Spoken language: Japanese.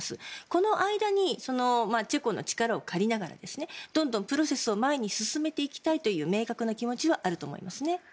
この間にチェコの力を借りながらどんどんプロセスを前に進めていきたいという明確な気持ちはあると思いますね。